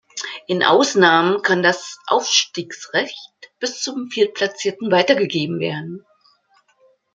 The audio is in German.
In Ausnahmen kann das Aufstiegsrecht bis zum Viertplatzierten weitergegeben werden.